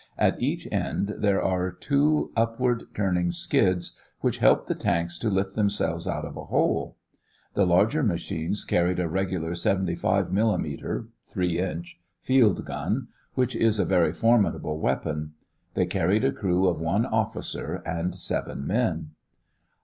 At each end there are two upward turning skids which helped the tank to lift itself out of a hole. The larger machines carried a regular 75 millimeter (3 inch) field gun, which is a very formidable weapon. They carried a crew of one officer and seven men.